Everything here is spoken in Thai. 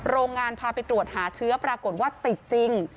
โรงงานพาไปตรวจหาเชื้อปรากฏว่าติดจริง